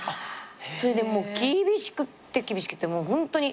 それでもう厳しくて厳しくてもうホントに。